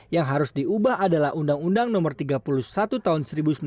yang harus diubah adalah undang undang no tiga puluh satu tahun seribu sembilan ratus sembilan puluh